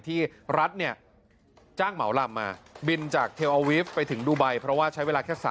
ที่รัฐนี่